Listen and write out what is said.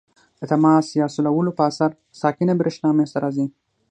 د تماس یا سولولو په اثر ساکنه برېښنا منځ ته راځي.